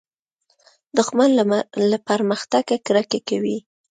دښمن له پرمختګه کرکه کوي